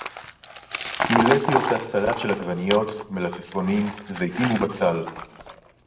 מִלֵּאתִי אוֹתָהּ סַלַּט שֶׁל עַגְבָנִיּוֹת, מְלָפְפוֹנִים, זֵיתִים וּבָצָל